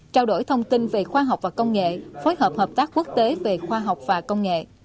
trao đổi thông tin về khoa học và công nghệ phối hợp hợp tác quốc tế về khoa học và công nghệ